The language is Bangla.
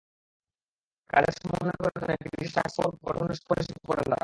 কাজের সমন্বয় করার জন্য একটি বিশেষ টাস্কফোর্স গঠনের সুপারিশও করেন তাঁরা।